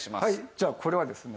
じゃあこれはですね